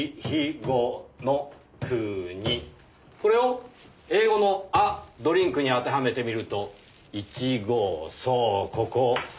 これを英語の「ａｄｒｉｎｋ」に当てはめてみると１５そうここ。